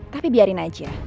tapi biarin aja